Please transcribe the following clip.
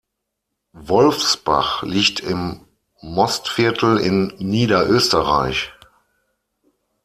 Wolfsbach liegt im Mostviertel in Niederösterreich.